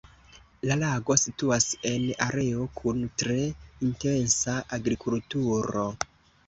La lago situas en areo kun tre intensa agrikulturo.